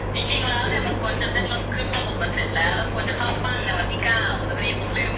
มีหลายคนนะครับที่เขาไม่เคยถามผมถามแล้วถ้าคุณจะถูกเลยนะครับ